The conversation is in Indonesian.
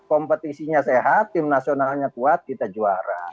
kompetisinya sehat tim nasionalnya kuat kita juara